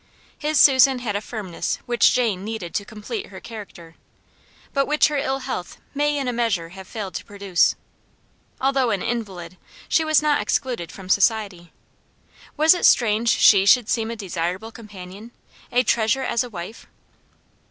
His Susan had a firmness which Jane needed to complete her character, but which her ill health may in a measure have failed to produce. Although an invalid, she was not excluded from society. Was it strange SHE should seem a desirable companion, a treasure as a wife?